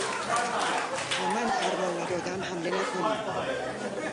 تا من فرمان ندادهام حمله نکنید!